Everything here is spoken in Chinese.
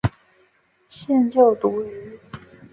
现就读于。